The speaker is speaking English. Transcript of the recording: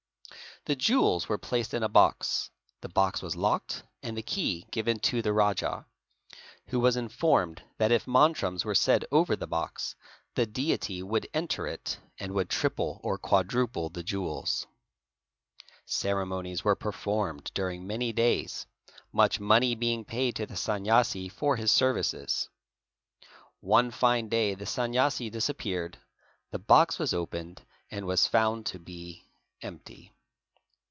The jewels were placed in a box, the box was locked and the key given TREASURE FINDING 399 to the rajah, who was informed that if mantrams were said over the box, the deity would enter it and would triple or quadruple the jewels. Ceremonies were performed during many days, much money being paid to the Sanyasi for his services. One fine day the Sanyasi disappeared, the box was opened and was found to be empty.